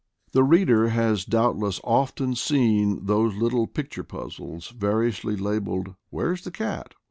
The reader has doubtless often seen those little picture puzzles, variously labeled "Where's the Cat?"